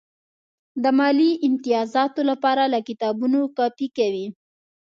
د مالي امتیازاتو لپاره له کتابونو کاپي کوي.